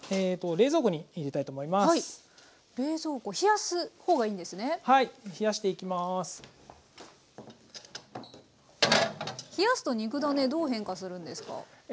冷やすと肉だねどう変化するんですか？